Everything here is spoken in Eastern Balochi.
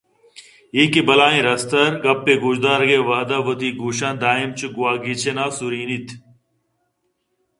کہ اے بلاہیں رستر گپّ ءِ گوٛشدارگ ءِ وہد ءَ وتی گوشاں دائم چو گوٛاگیچن ءَ سُرینیت